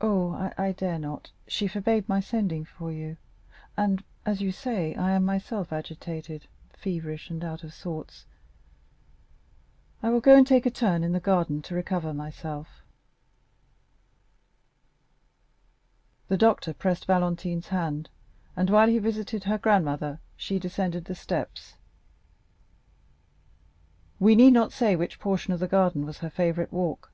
"Oh, I dare not—she forbade my sending for you; and, as you say, I am myself agitated, feverish and out of sorts. I will go and take a turn in the garden to recover myself." The doctor pressed Valentine's hand, and while he visited her grandmother, she descended the steps. We need not say which portion of the garden was her favorite walk.